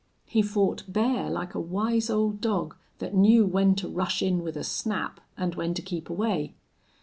He fought bear like a wise old dog that knew when to rush in with a snap and when to keep away.